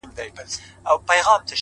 پرمختګ د ثبات او هڅې ګډه مېوه ده